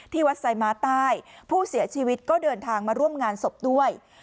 วัดไซม้าใต้ผู้เสียชีวิตก็เดินทางมาร่วมงานศพด้วย